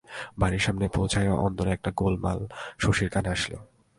বাড়ির সামনে পৌছিয়াই অন্দরে একটা গোলমাল শশীর কানে আসিল।